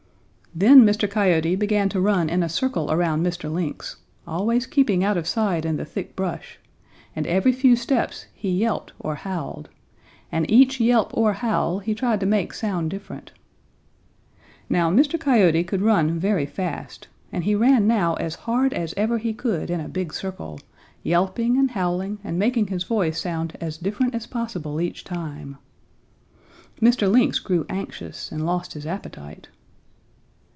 "Then Mr. Coyote began to run in a circle around Mr. Lynx, always keeping out of sight in the thick brush, and every few steps he yelped or howled, and each yelp or howl he tried to make sound different. Now Mr. Coyote could run very fast, and he ran now as hard as ever he could in a big circle, yelping and howling and making his voice sound as different as possible each time. Mr. Lynx grew anxious and lost his appetite.